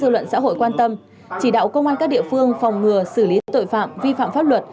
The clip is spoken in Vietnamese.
luận xã hội quan tâm chỉ đạo công an các địa phương phòng ngừa xử lý tội phạm vi phạm pháp luật